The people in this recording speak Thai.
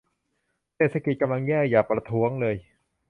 เศรษฐกิจกำลังแย่ อย่าประท้วงเลย